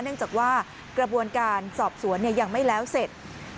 เนื่องจากว่ากระบวนการสอบสวนยังไม่แล้วเสร็จ